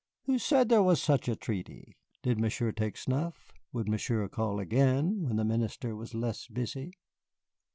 Who said there was such a treaty? Did Monsieur take snuff? Would Monsieur call again when the Minister was less busy?